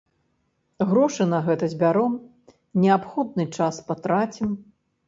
Грошы на гэта збяром, неабходны час патрацім.